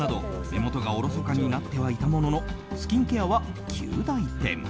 目元がおろそかになってはいたもののスキンケアは及第点。